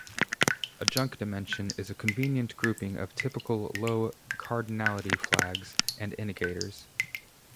A junk dimension is a convenient grouping of typically low-cardinality flags and indicators.